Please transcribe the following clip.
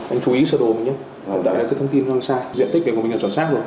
anh chú ý sơ đồ mình nhé đảm bảo cái thông tin mình sai diện tích của mình là chọn sát rồi